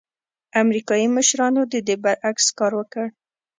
امریکايي مشرانو د دې برعکس کار وکړ.